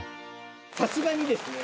さすがにですね